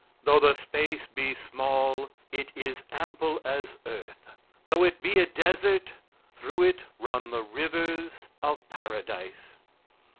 Though the space be small, it is ample as earth; though it be a desert, through it run the rivers of Paradise."